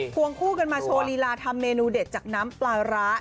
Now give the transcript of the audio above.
วงคู่กันมาโชว์ลีลาทำเมนูเด็ดจากน้ำปลาร้า